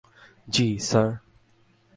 জি, sir.